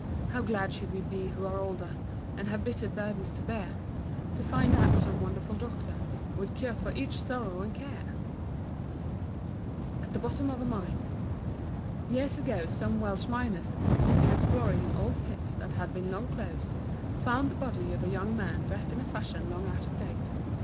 How glad should we be, who are older, And have bitter burdens to bear, To find out some wonderful doctor With cures for each sorrow and care! =At the Bottom of a Mine.= Years ago some Welsh miners, in exploring an old pit that had been long closed, found the body of a young man dressed in a fashion long out of date.